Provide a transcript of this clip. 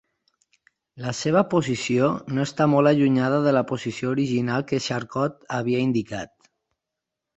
La seva posició no està molt allunyada de la posició original que Charcot havia indicat.